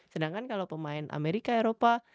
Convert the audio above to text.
sedangkan kalo pemain amerika eropa